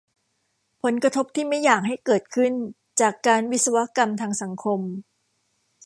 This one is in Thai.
ผลกระทบที่ไม่อยากให้เกิดขึ้น จากการวิศวกรรมทางสังคม